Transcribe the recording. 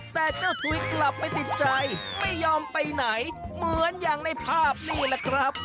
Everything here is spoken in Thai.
แต่เจ้าถุยกลับไปติดใจไม่ยอมไปไหนเหมือนอย่างในภาพนี่แหละครับ